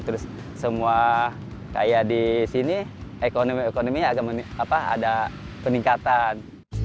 terus semua kayak di sini ekonomi ekonominya ada peningkatan